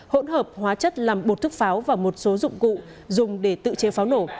hỗn hợp hóa chất làm bột thức pháo và một số dụng cụ dùng để tự chế pháo nổ